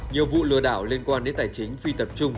nhiều vụ lừa đảo liên quan đến tài chính phi tập trung